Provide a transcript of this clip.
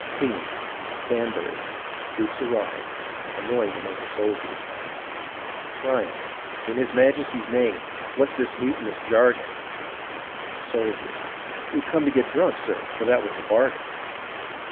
Scene. — Danbury. Troops arrived \_A noise among the soldiers'} Tryon In his Majesty's name, what's this mutinous jargon? Soldiers We've come to get drunk, sir, for that was the bargain.